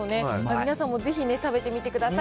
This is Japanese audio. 皆さんもぜひ食べてみてください。